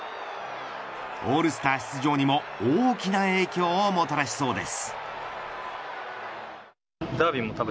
オールスター出場にも大きな影響をもたらしそうです。